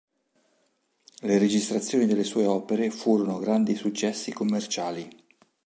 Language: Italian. Le registrazioni delle sue opere furono grandi successi commerciali.